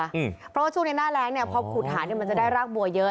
เพราะว่าช่วงนี้หน้าแรงพอขุดหามันจะได้รากบัวเยอะ